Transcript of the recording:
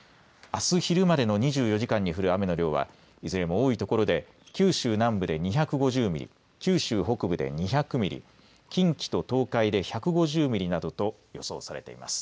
あす昼までの２４時間に降る雨の量はいずれも多いところで九州南部で２５０ミリ、九州北部で２００ミリ、近畿と東海で１５０ミリなどと予想されています。